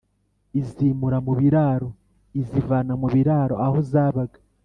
. Izimura mu biraro: Izivana mu biraro (aho zabaga).